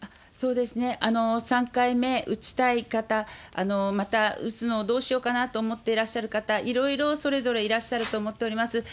３回目打ちたい方、また、打つのどうしようかなと思ってらっしゃる方、いろいろそれぞれいらっしゃると思っております。